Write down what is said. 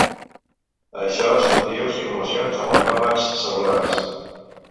A això se'n diu simulacions amb autòmats cel·lulars.